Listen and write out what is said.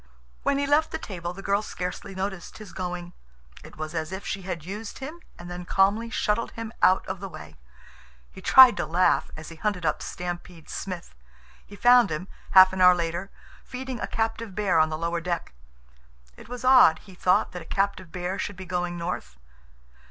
When he left the table, the girl scarcely noticed his going. It was as if she had used him and then calmly shuttled him out of the way. He tried to laugh as he hunted up Stampede Smith. He found him, half an hour later, feeding a captive bear on the lower deck. It was odd, he thought, that a captive bear should be going north.